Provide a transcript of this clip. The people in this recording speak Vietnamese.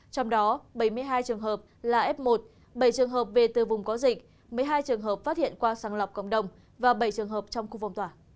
trong đó bảy mươi hai trường hợp là f một bảy trường hợp về từ vùng có dịch một mươi hai trường hợp phát hiện qua sàng lọc cộng đồng và bảy trường hợp trong khu phong tỏa